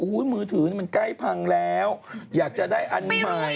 อู้วมือถือมันกายพังแล้วอยากจะได้อันใหม่